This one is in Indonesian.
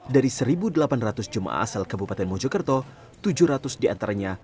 dari satu delapan ratus jemaah asal kabupaten mojokerto tujuh ratus diantaranya